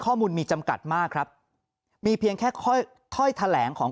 ข้อมูลมีจำกัดมากครับมีเพียงแค่ถ้อยแถลงของ